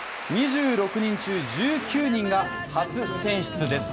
２６人中１９人が初選出です。